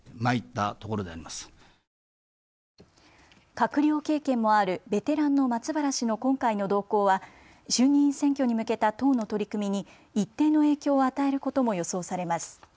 閣僚経験もあるベテランの松原氏の今回の動向は衆議院選挙に向けた党の取り組みに一定の影響を与えることも予想されます。